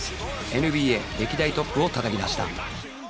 ＮＢＡ 歴代トップをたたき出した